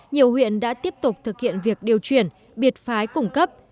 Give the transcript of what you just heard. nhiều huyện đã tiếp tục thực hiện việc điều chuyển biệt phái củng cấp